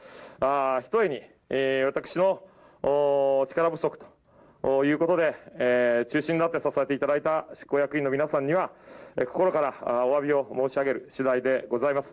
ひとえに私の力不足ということで中心になって支えていただいた執行役員の皆さんには心からおわびを申し上げるしだいでございます。